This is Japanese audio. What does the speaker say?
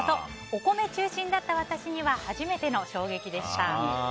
お米中心だった私には初めての衝撃でした。